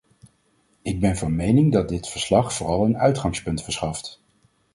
Ik ben van mening dat dit verslag vooral een uitgangspunt verschaft.